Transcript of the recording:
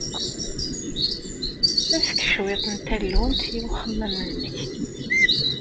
Efk cwiṭ n tallunt i uxemmem-nnek!